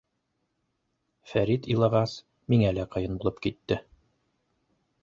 Фәрит илағас, миңә лә ҡыйын булып китте.